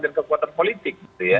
dan kekuatan politik